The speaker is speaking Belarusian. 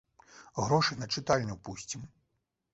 Грошы на чытальню пусцім.